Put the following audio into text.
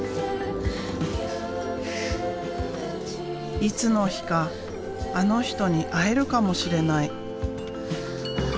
いつの日かあの人に会えるかもしれない。